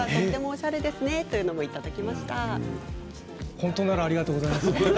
本当ならありがとうございます。